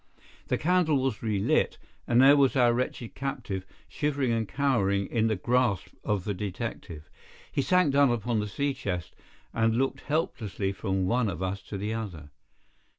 The candle was relit, and there was our wretched captive, shivering and cowering in the grasp of the detective. He sank down upon the sea chest, and looked helplessly from one of us to the other.